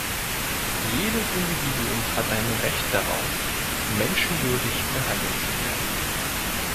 Jedes Individuum hat ein Recht darauf, menschenwürdig behandelt zu werden.